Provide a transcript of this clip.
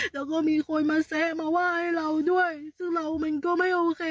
แล้วก็มีคนมาแซะมาไหว้ให้เราด้วยซึ่งเรามันก็ไม่โอเค